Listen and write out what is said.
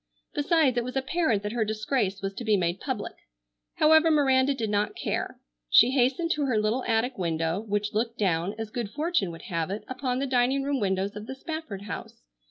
Besides, it was apparent that her disgrace was to be made public. However, Miranda did not care. She hastened to her little attic window, which looked down, as good fortune would have it, upon the dining room windows of the Spafford house.